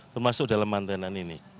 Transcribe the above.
termasuk dalam mantenan ini